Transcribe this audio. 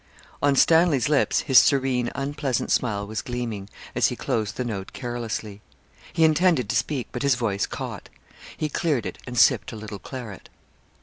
On Stanley's lips his serene, unpleasant smile was gleaming, as he closed the note carelessly. He intended to speak, but his voice caught. He cleared it, and sipped a little claret.